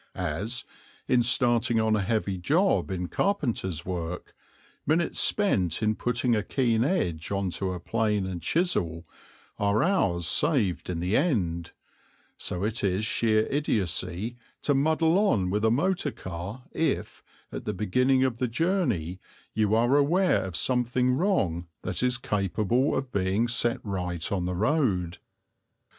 As, in starting on a heavy job in carpenter's work, minutes spent in putting a keen edge on to plane and chisel are hours saved in the end, so it is sheer idiocy to muddle on with a motor car if, at the beginning of the journey, you are aware of something wrong that is capable of being set right on the road.